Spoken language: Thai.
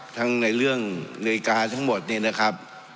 ทั้งในเรื่องนาฬิกาทั้งหมดเนี่ยนะครับ